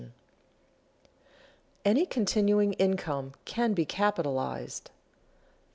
[Sidenote: Any continuing income can be capitalized] 3.